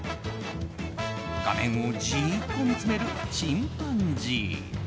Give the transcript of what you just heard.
画面をじっと見つめるチンパンジー。